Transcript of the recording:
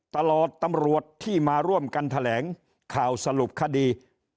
ตำรวจที่มาร่วมกันแถลงข่าวสรุปคดี